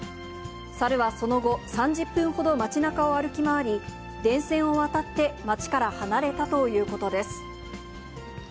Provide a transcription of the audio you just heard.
猿はその後、３０分ほど街なかを歩き回り、電線を渡って街から離れたということです。